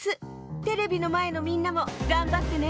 テレビのまえのみんなもがんばってね。